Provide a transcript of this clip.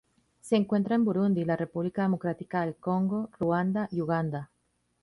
Se encuentra en Burundi, la República Democrática del Congo, Ruanda y Uganda.